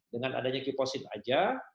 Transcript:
dengan adanya keepozin aja